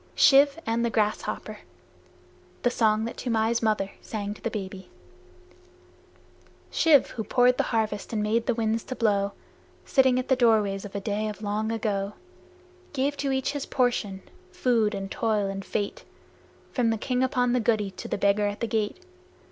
Shiv and the Grasshopper (The song that Toomai's mother sang to the baby) Shiv, who poured the harvest and made the winds to blow, Sitting at the doorways of a day of long ago, Gave to each his portion, food and toil and fate, From the King upon the guddee to the Beggar at the gate.